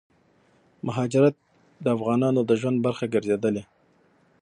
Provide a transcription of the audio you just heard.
مهاجرت دافغانانو دژوند برخه ګرځيدلې